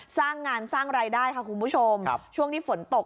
สร้างงานสร้างรายได้ค่ะคุณผู้ชมช่วงนี้ฝนตก